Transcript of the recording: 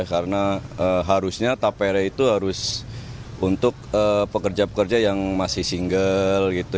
karena harusnya tapera itu harus untuk pekerja pekerja yang masih single gitu